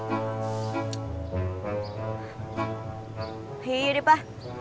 iya iya deh pa